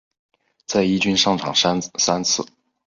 在一军上场三次。